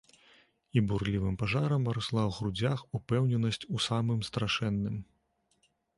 І бурлівым пажарам расла ў грудзях упэўненасць у самым страшэнным.